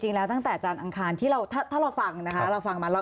จริงแล้วตั้งแต่จานอังคารที่เราถ้าเราฟังนะคะเราฟังมา